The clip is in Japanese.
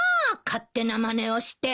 勝手なまねをして。